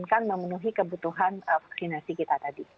dan ini juga memenuhi kebutuhan vaksinasi kita tadi